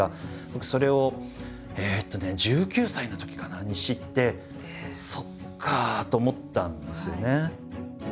僕それをえっとね１９歳のときかなに知ってそっか！と思ったんですよね。